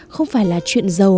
không phải là chuyện giàu